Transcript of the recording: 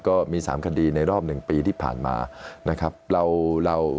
ก็มี๓คดีในรอบ๑ปีที่ผ่านมานะครับ